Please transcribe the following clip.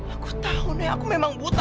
aku tahu nih aku memang buta